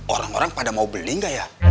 orang orang pada mau beli nggak ya